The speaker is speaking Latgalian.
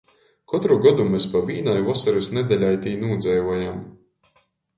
Kotru godu mes pa vīnai vosorys nedeļai tī nūdzeivojam.